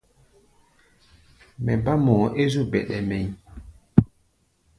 Mɛ bá mɔʼɔ é zú bɛɗɛ mɛʼí̧.